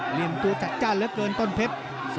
เหลี่ยมตัวจัดจ้านเหลือเกินต้นเพชร